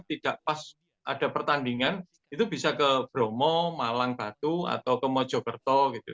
tidak pas ada pertandingan itu bisa ke bromo malang batu atau ke mojokerto gitu